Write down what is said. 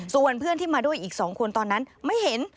ส่วนเพื่อนที่มาด้วยอีก๒คนตอนนั้นไม่เห็น